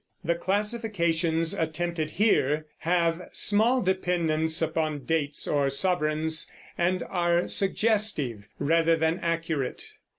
The classifications attempted here have small dependence upon dates or sovereigns, and are suggestive rather than accurate.